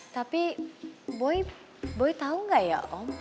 tapi boy boy tau gak ya om